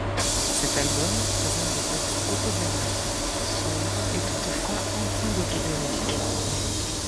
Cet album présente des textes autobiographiques, sombres et toutefois empreints d'autodérision.